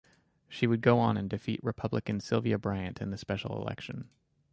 She would go on and defeat Republican Sylvia Bryant in the special election.